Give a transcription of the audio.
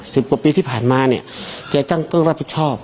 สิบกว่าปีที่ผ่านมาเนี่ยแกตั้งต้องรับผิดชอบ